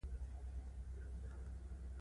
د لرغونپوهنې شته شواهد نه شي کولای دا په ګوته کړي.